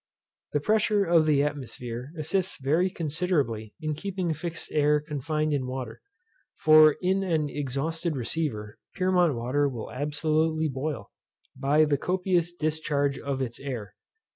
The pressure of the atmosphere assists very considerably in keeping fixed air confined in water; for in an exhausted receiver, Pyrmont water will absolutely boil, by the copious discharge of its air.